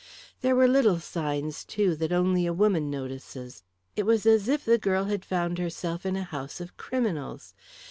There were little signs, too, that only a woman notices. It was as if the girl had found herself in a house of criminals.